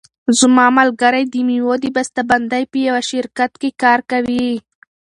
زما ملګری د مېوو د بسته بندۍ په یوه شرکت کې کار کوي.